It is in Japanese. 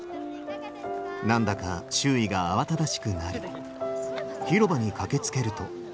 何だか周囲が慌ただしくなり広場に駆けつけると。